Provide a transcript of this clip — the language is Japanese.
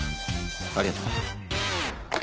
ありがとう。